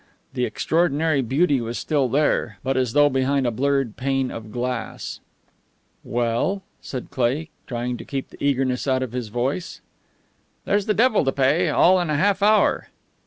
The extraordinary beauty was still there, but as though behind a blurred pane of glass. "Well?" said Cleigh, trying to keep the eagerness out of his voice. "There's the devil to pay all in a half hour."